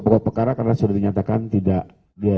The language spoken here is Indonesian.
pokok pekara karena sudah dinyatakan tidak berwenang